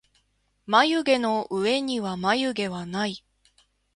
まゆげのうえにはまゆげはない